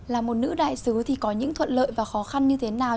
là một nữ đại sứ thì có những thuận lợi và khó khăn như thế nào